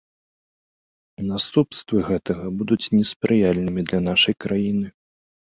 Наступствы гэтага будуць неспрыяльнымі для нашай краіны.